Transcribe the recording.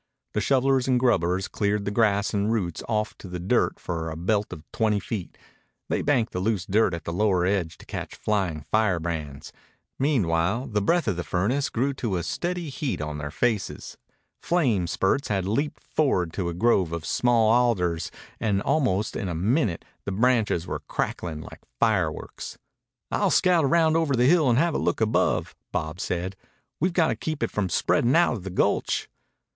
The shovelers and grubbers cleared the grass and roots off to the dirt for a belt of twenty feet. They banked the loose dirt at the lower edge to catch flying firebrands. Meanwhile the breath of the furnace grew to a steady heat on their faces. Flame spurts had leaped forward to a grove of small alders and almost in a minute the branches were crackling like fireworks. "I'll scout round over the hill and have a look above," Bob said. "We've got to keep it from spreading out of the gulch."